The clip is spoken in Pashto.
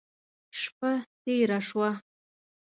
شپه تېره شوه.